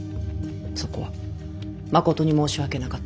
そこはまことに申し訳なかった。